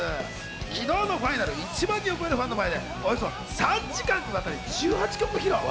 昨日のファイナルでは１万人を超えるファンの前で、およそ３時間にわたり、１８曲を披露。